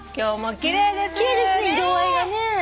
奇麗ですね色合いがね。